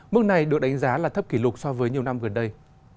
mức này được đánh giá là thấp kỷ lục so với nhiều năm gần đây